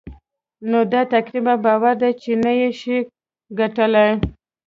نو دا تقريباً باوري ده چې نه يې شې ګټلای.